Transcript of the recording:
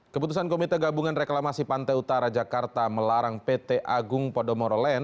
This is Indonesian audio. keputusan komite gabungan reklamasi pantai utara jakarta melarang pt agung podomoro land